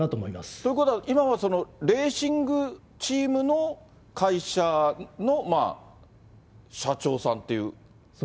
ということは、今はレーシングチームの会社の社長さんっていう。